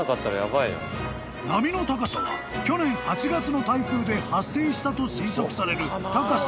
［波の高さは去年８月の台風で発生したと推測される高さの平均値